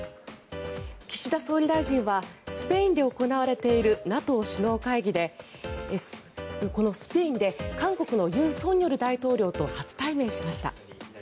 岸田総理大臣はスペインで行われているＮＡＴＯ首脳会議で韓国の尹錫悦大統領と初対面しました。